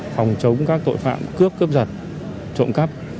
phòng chống các tội phạm cướp cướp giật trộm cắp